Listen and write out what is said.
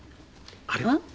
あれは？